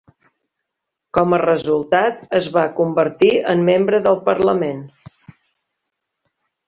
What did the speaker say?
Com a resultat, es va convertir en membre del parlament.